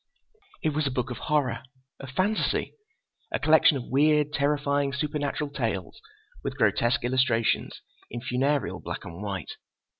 It was a book of horror, of fantasy. A collection of weird, terrifying, supernatural tales with grotesque illustrations in funereal black and white.